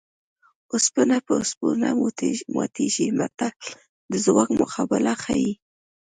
اوسپنه په اوسپنه ماتېږي متل د ځواک مقابله ښيي